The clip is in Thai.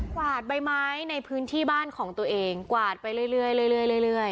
กวาดใบไม้ในพื้นที่บ้านของตัวเองกวาดไปเรื่อยเรื่อยเรื่อยเรื่อย